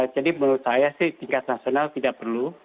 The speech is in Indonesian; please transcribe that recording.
jadi menurut saya sih tingkat nasional tidak perlu